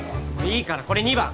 いいからこれ２番！